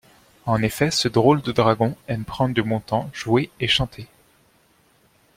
En effet, ce drôle de dragon aime prendre du bon temps, jouer et chanter.